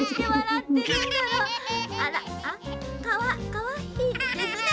かわいいですね。